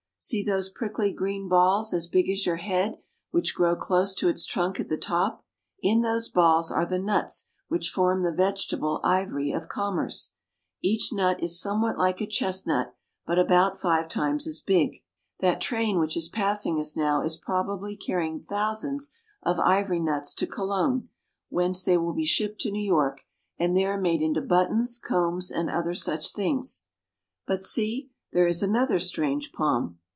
See those prickly green balls, as big as your head, which grow close to its trunk at the top. In those balls are the nuts which form the vegetable ivory of com merce. Each nut is somewhat like a chestnut, but about five times as big. That train which is passing us now is probably carrying thousands of ivory nuts to Colon, whence they will be shipped to New York, and there made into buttons, combs, and other such things. But see, there is another strange palm.